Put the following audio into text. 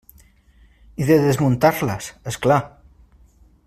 I de desmuntar-les, és clar.